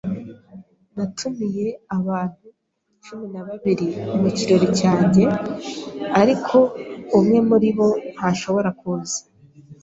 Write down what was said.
Natumiye abantu cumi na babiri mu kirori cyanjye, ariko umwe muri bo ntashobora kuza.